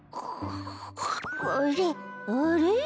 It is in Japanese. あれ？